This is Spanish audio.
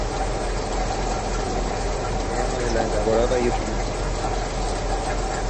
El dramatismo se promulgan en la elaborada y estilizada pantomima.